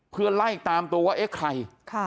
เพื่อไล่ตามตัวว่าเอ๊ะใคร